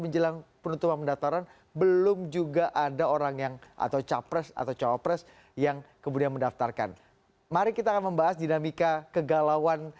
jelang penutupan pendaftaran